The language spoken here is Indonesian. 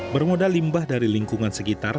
bermodal limbah dari lingkungan sekitar